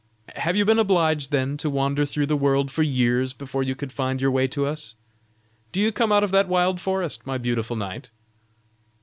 Have you been obliged then to wander through the world for years, before you could find your way to us? Do you come out of that wild forest, my beautiful knight?"